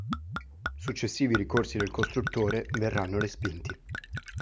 Successivi ricorsi del costruttore verranno respinti.